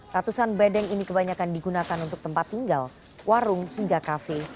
ratusan bedeng ini kebanyakan digunakan untuk tempat tinggal warung hingga kafe